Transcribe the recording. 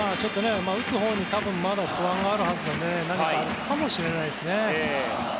打つほうにまだ不安があるはずなので何かあるかもしれないですね。